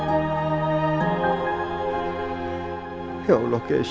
anak bapak masih dalam penanganan dokter